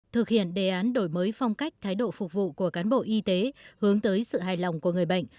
thực hiện đề án đổi mới phong cách thái độ phục vụ của cán bộ y tế hướng tới sự hài lòng của người bệnh